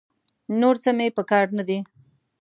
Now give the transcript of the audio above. نور څه مې په کار نه دي.